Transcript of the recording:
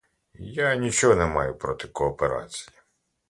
Я нічого не маю проти кооперації.